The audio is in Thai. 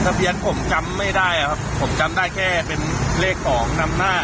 ทะเบียนผมจำไม่ได้ครับผมจำได้แค่เป็นเลขสองนำหน้า